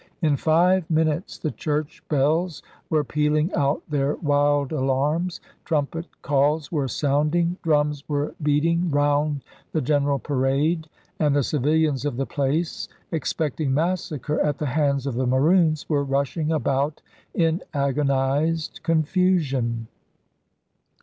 In five minutes the church bells were pealing out their wild alarms, trumpet calls were sounding, drums were beating round the general parade, and the civilians of the place, expecting massacre at the hands of the Maroons, were rushing about in agonized confusion.